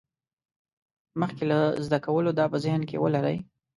مخکې له زده کولو دا په ذهن کې ولرئ.